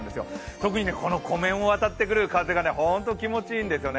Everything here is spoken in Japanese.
特にこの湖面を渡ってくる風が本当に気持ちいいんですよね。